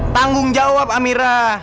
tanggung jawab amira